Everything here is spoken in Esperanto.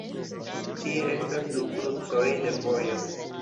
Tie estas du krucoj de vojo.